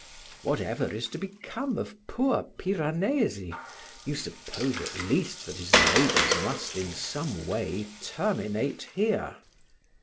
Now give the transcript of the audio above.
Whatever is to become of poor Piranesi, you suppose at least that his labours must in some way terminate here.